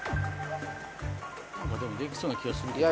何かでもできそうな気がするけどね。